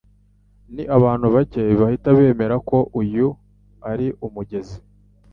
Ni abantu bake bahita bemera ko uyu ari umugezi